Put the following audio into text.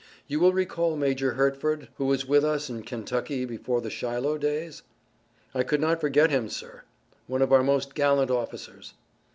"You will recall Major Hertford, who was with us in Kentucky before the Shiloh days?" "I could not forget him, sir. One of our most gallant officers."